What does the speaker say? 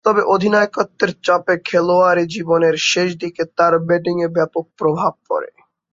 তবে, অধিনায়কত্বের চাপে খেলোয়াড়ী জীবনের শেষদিকে তার ব্যাটিংয়ে ব্যাপক প্রভাব পড়ে।